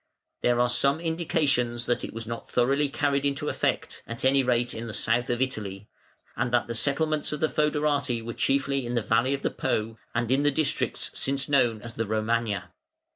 There are some indications that it was not thoroughly carried into effect, at any rate in the South of Italy, and that the settlements of the fœderati were chiefly in the valley of the Po, and in the districts since known as the Romagna.